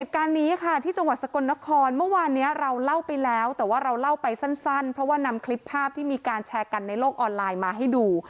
เหตุการณ์นี้ค่ะที่จังหวัดสกลนครเมื่อวานนี้เราเล่าไปแล้วแต่ว่าเราเล่าไปสั้นเพราะว่านำคลิปภาพที่มีการแชร์กันในโลกออนไลน์มาให้ดู